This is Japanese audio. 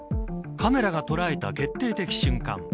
カメラが捉えた決定的瞬間。